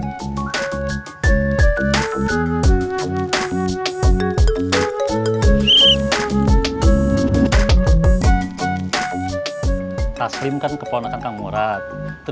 kita makan keselamatan bukan kecepatan